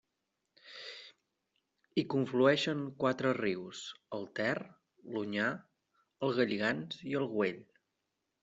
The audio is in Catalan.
Hi conflueixen quatre rius: el Ter, l'Onyar, el Galligants i el Güell.